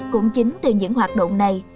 cũng chính từ những hoạt động này